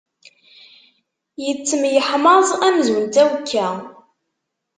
Yettemyeḥmaẓ amzun d tawekka.